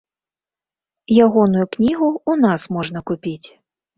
Ягоную кнігу ў нас можна купіць.